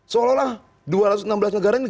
seolah olah dua ratus enam belas negara ini